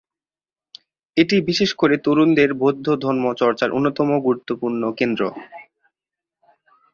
এটি বিশেষ করে তরুণদের বৌদ্ধ ধর্ম চর্চার অন্যতম গুরুত্বপূর্ণ কেন্দ্র।